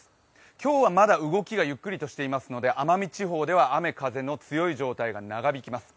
今日はまだ動きがゆっくりとしていますので奄美地方では雨風の強い状態が長引きます。